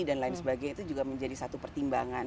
dan lain sebagainya itu juga menjadi satu pertimbangan